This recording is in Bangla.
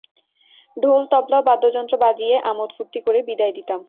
ঢোল-তবলা ও বাদ্যযন্ত্র বাজিয়ে আমোদ-ফুর্তি করে বিদায় দিতাম।